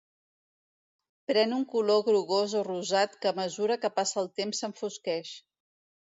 Pren un color grogós o rosat que a mesura que passa el temps s'enfosqueix.